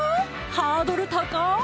ハードル高い！